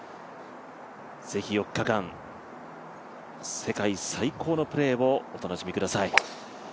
是非４日間、世界最高のプレーをお楽しみください。